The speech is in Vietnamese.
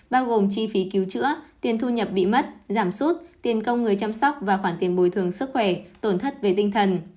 bao gồm chi phí cứu chữa tiền thu nhập bị mất giảm sút tiền công người chăm sóc và khoản tiền bồi thường sức khỏe tổn thất về tinh thần